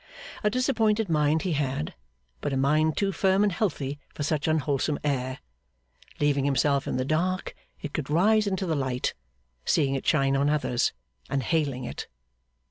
A disappointed mind he had, but a mind too firm and healthy for such unwholesome air. Leaving himself in the dark, it could rise into the light, seeing it shine on others and hailing it.